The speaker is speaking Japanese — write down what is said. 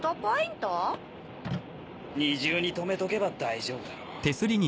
二重にとめとけば大丈夫だろう。